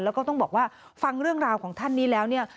แล้วก็ต้องบอกว่าฟังเรื่องราวของท่านนี้แล้วเนี่ย